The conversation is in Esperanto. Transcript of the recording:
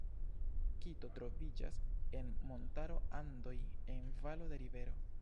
Kito troviĝas en montaro Andoj en valo de rivero.